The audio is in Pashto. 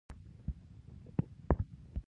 په دې ګډون سره دوی خپل مخالفت په ښه توګه ښودلی شي.